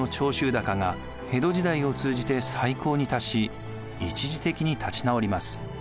高が江戸時代を通じて最高に達し一時的に立ち直ります。